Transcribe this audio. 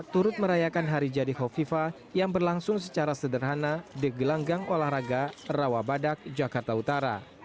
turut merayakan hari jadi hovifa yang berlangsung secara sederhana di gelanggang olahraga rawabadak jakarta utara